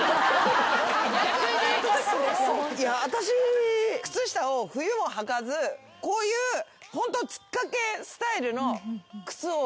私靴下を冬も履かずこういうつっかけスタイルの靴を。